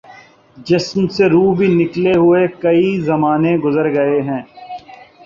جسم سے روح بھی نکلےہوئے کئی زمانے گزر گے ہیں